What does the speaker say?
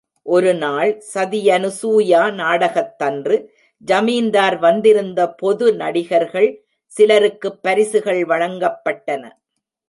ஒருநாள் சதியனுசூயா நாடகத்தன்று ஜமீன்தார் வந்திருந்த பொது நடிகர்கள் சிலருக்குப் பரிசுகள் வழங்கப்பட்டன.